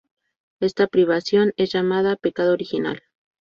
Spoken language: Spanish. Esta privación es llamada "pecado original".